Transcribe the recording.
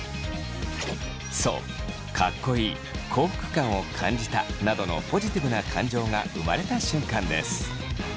そう「かっこいい」「幸福感を感じた」などのポジティブな感情が生まれた瞬間です。